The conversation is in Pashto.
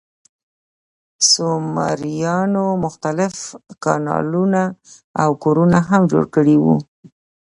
سومریانو مختلف کانالونه او کورونه هم جوړ کړي وو.